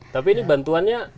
tapi ini bantuannya